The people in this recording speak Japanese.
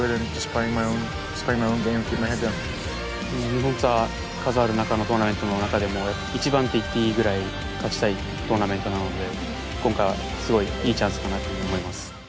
◆日本ツアー数ある中のトーナメントの中でも、一番と言っていいぐらい勝ちたいトーナメントなので、今回はすごいいいチャンスかなと思います。